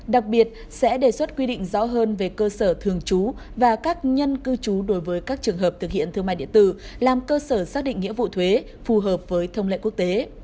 đặc biệt sẽ đề xuất quy định rõ hơn về cơ sở thường trú và các nhân cư trú đối với các trường hợp thực hiện thương mại điện tử làm cơ sở xác định nghĩa vụ thuế phù hợp với thông lệ quốc tế